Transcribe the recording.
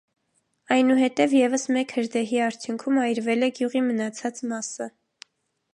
Այնուհետև ևս մեկ հրդեհի արդյունքում այրվել է գյուղի մնացած մասը։